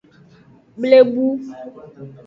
Blebu.